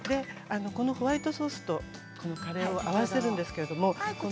このホワイトソースとこのカレーを合わせるんですけれども。